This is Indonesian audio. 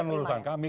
itu bukan urusan kami